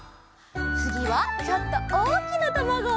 つぎはちょっとおおきなたまご！